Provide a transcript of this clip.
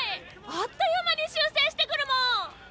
あっという間に修正してくるもん！